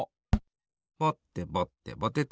ぼってぼってぼてて！